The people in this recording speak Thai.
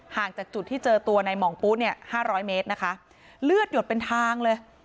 ห่างจากจุดที่เจอตัวในหมองปุ๊ะ๕๐๐เมตรเลือดหยดเป็นทางเลย